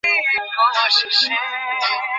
গৃহহীনদেরকে প্রতি আলাদা টান আমার।